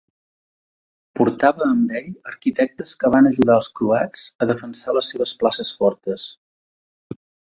Portava amb ell arquitectes que van ajudar els croats a defensar les seves places fortes.